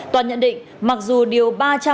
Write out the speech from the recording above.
tòa nhận định mặc dù điều ba trăm ba mươi một